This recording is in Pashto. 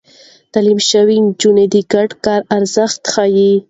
تعليم شوې نجونې د ګډ کار ارزښت ښيي.